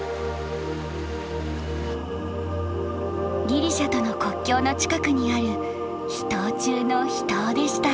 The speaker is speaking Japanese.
ギリシャとの国境の近くにある秘湯中の秘湯でした。